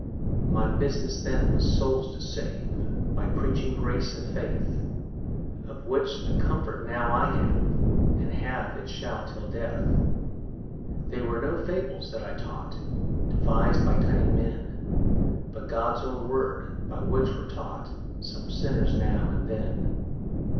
My business then was souls to save By preaching grace and faith, Of which the comfort now I have, And have it shall till death. They were no fables that I taught, Devis'd by cunning men, But God's own word, by which were caught Some sinners now and then.